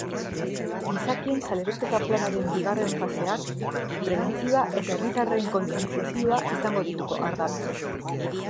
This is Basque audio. Gizakien salerosketa planaren bigarren faseak prebentzioa eta herritarren kontzientziazioa izango ditu ardatz.